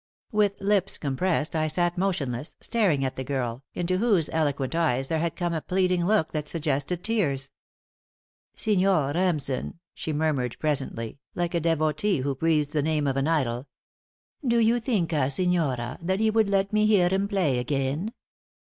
With lips compressed I sat motionless, staring at the girl, into whose eloquent eyes there had come a pleading look that suggested tears. "Signor Remsen," she murmured, presently, like a devotee who breathes the name of an idol "do you thinka, signora, that he would let me hear him play again?